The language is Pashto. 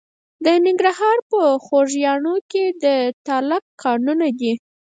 د ننګرهار په خوږیاڼیو کې د تالک کانونه دي.